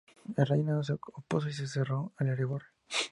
El Rey enano se opuso y se encerró en Erebor.